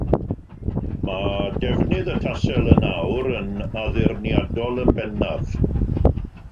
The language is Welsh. Mae defnydd y tasel yn awr yn addurniadol yn bennaf.